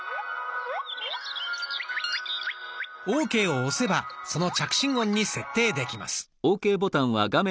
「ＯＫ」を押せばその着信音に設定できます。